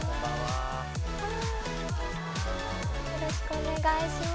よろしくお願いします。